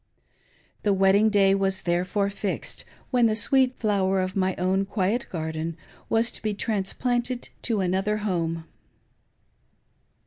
The wedding day was therefore fixed, when the sweet flower of my own quiet garden was to be transplanted to another home.